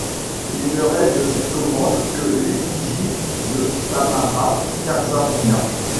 Il ne reste de cette commande que l'effigie de Tamara Karsavina.